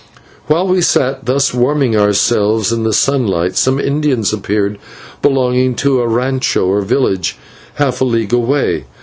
Whilst we sat thus warming ourselves in the sunlight, some Indians appeared, belonging to a /rancho/, or village, half a league away.